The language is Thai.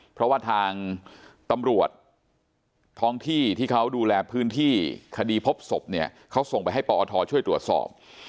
เพราะว่าทางตำรวจท้องที่ที่เขาดูแลพื้นที่คดีพบศพเนี่ยเขาส่งไปให้ปอทช่วยตรวจสอบ